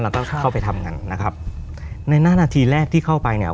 ต้องเข้าไปทำกันนะครับในหน้านาทีแรกที่เข้าไปเนี่ย